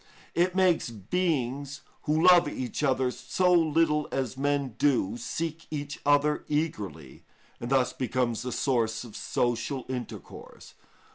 It makes beings who love each other so little as men do, seek each other eagerly, and thus becomes the source of social intercourse.